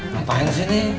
ngapain sih ini